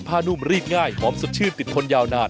นุ่มรีดง่ายหอมสดชื่นติดคนยาวนาน